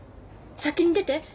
先に出て。